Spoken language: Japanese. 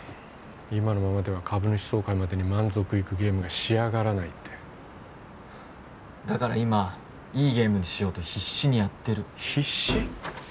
今のままでは株主総会までに満足いくゲームが仕上がらないってだから今いいゲームにしようと必死にやってる必死？